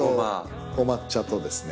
お抹茶とですね。